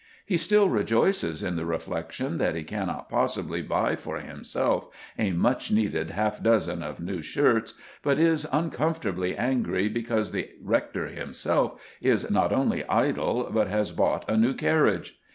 He still rejoices in the reflection that he cannot possibly buy for himself a much needed half dozen of new shirts, but is uncomfortably angry because the rector himself is not only idle, but has bought a new carriage.